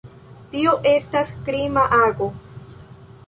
Tio estas krima ago.